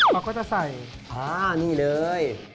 เราก็จะใส่อ้านี่เลย